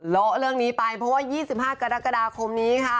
ละเรื่องนี้ไปเพราะว่า๒๕กรกฎาคมนี้ค่ะ